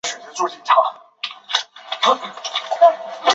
考生可以任意选择其中十道大题